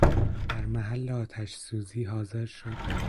در محل آتشسوزی حاضر شد